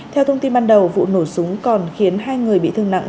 theo thông tin ban đầu vụ nổ súng còn khiến hai người bị thương nặng